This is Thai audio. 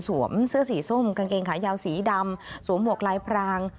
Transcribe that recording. เสื้อสีส้มกางเกงขายาวสีดำสวมหมวกลายพราง